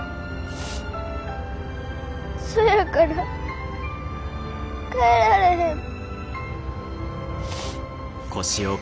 そやから帰られへん。